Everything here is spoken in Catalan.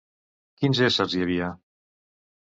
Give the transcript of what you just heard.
Quins éssers hi havia?